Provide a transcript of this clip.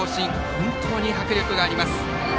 本当に迫力があります。